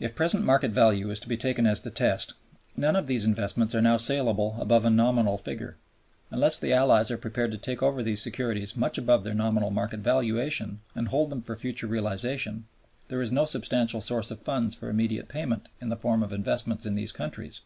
If present market value is to be taken as the test, none of these investments are now saleable above a nominal figure. Unless the Allies are prepared to take over these securities much above their nominal market valuation, and hold them for future realization, there is no substantial source of funds for immediate payment in the form of investments in these countries.